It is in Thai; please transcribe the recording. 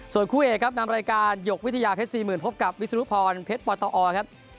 ส่วนคู่เอกครับนำรายการหยกวิทยาเพชรสี่หมื่นพบกับวิสุรพรเพชรปอตออลครับ